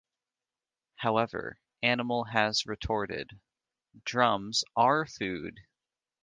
However, Animal has retorted: "Drums "are" food!